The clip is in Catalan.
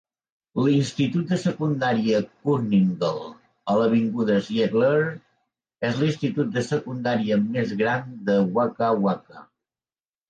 L'institut de secundària Kooringal, a l'avinguda Ziegler és l'institut de secundària més gran de Wagga Wagga.